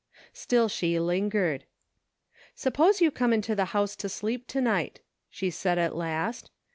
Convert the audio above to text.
Still she lingered. " Suppose you come into the house to sleep to night," she said at last.